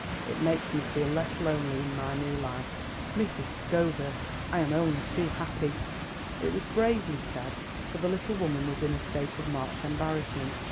It makes me feel less lonely in my new life." "Mrs. Scoville, I am only too happy." It was bravely said, for the little woman was in a state of marked embarrassment.